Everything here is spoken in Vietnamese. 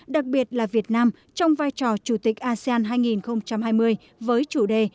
đặc biệt là việt nam trong vai trò chủ tịch asean hai nghìn hai mươi với chủ đề